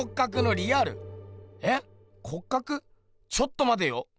ちょっとまてよ。